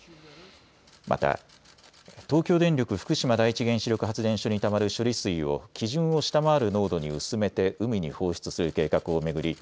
また、東京電力福島第一原子力発電所にたまる処理水を基準を下回る濃度に薄めて海に放出する計画を巡り